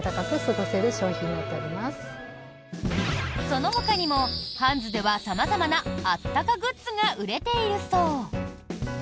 そのほかにもハンズでは様々なあったかグッズが売れているそう。